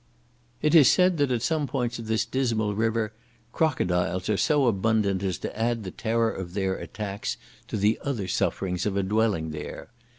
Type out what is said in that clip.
It is said that at some points of this dismal river, crocodiles are so abundant as to add the terror of their attacks to the other sufferings of a dwelling there.